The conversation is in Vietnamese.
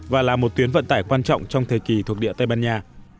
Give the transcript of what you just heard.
và là một tuyến vận tải quan trọng trong thời kỳ thuộc địa tây ban nha